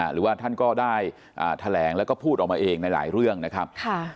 หรือว่าท่านก็ได้แถลงแล้วก็พูดออกมาเองในหลายเรื่องนะครับ